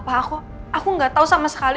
papa aku gak tau sama sekali